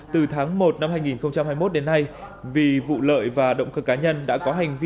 từ tháng một năm hai nghìn hai mươi một đến nay vì vụ lợi và động cơ cá nhân đã có hành vi